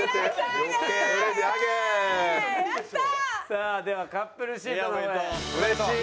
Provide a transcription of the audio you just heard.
さあではカップルシートの方へ。